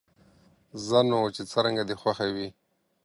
ځه نو، چې څرنګه دې خوښه وي.